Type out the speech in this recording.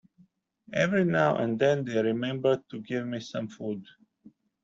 Every now and then they remember to give me some food.